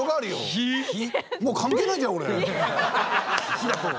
火だと。